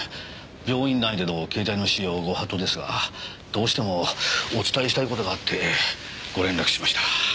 病院内での携帯の使用はご法度ですがどうしてもお伝えしたい事があってご連絡しました。